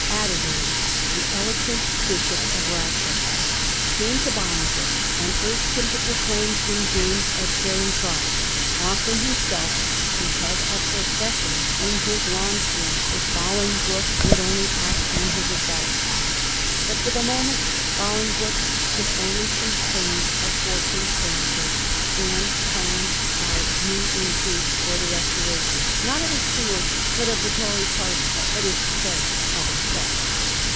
Atterbury, the eloquent Bishop of Rochester, came to Bolingbroke, and urged him to proclaim King James at Charing Gross, offering himself to head a Digiti zed by Google 64 A HISTORY OF THE FOUR GEORGES. oh. ul procession in his lawn sleeves if Bolingbroke would only act on his advice. But for the moment Boling broke could only complain of fortune's banter, and plan out new intrigues for the restoration, not of the Stuarts, but of the Tory party — ^that is to say, of himself.